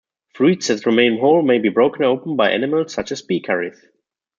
Fruits that remain whole may be broken open by animals such as pecarries.